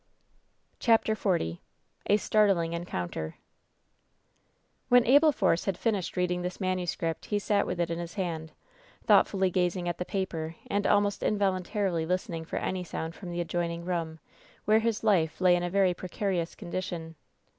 iHf CHAPTEE XL A STARTLING ENCOUNTER When Abel Force had finished reading this manu script he sat with it in his hand, thoughtfully gazing at the paper and almost involuntarily listening for any sound from the adjoining bedroom, where his wife lay in a very precarious condition.